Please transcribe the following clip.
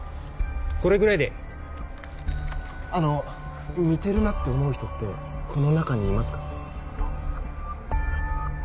これぐらいであの似てるなって思う人ってこの中にいますか？